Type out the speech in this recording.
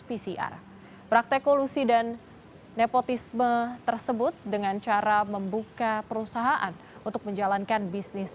pcr praktek kolusi dan nepotisme tersebut dengan cara membuka perusahaan untuk menjalankan bisnis